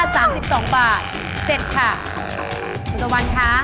ถ้า๓๒บาทเสร็จค่ะมันสมในค่ะ